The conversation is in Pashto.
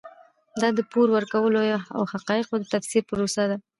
دا د راپور ورکولو او حقایقو د تفسیر پروسه ده.